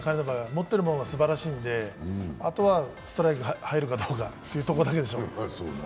持ってるものはすばらしいんであとはストライク入るかどうかというところだけでしょう。